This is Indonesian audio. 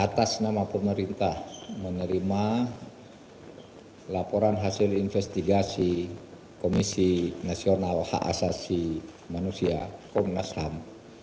atas nama pemerintah menerima laporan hasil investigasi komisi nasional hak asasi manusia komnas ham